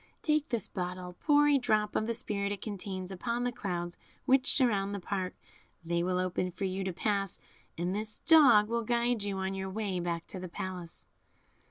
Take this bottle, pour a drop of the spirit it contains upon the clouds which surround the park; they will open for you to pass, and this dog will guide you on your way back to the palace."